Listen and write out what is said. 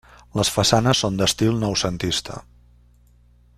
Les façanes són d'estil noucentista.